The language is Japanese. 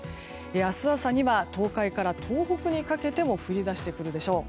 明日朝には東海から東北にかけても降り出してくるでしょう。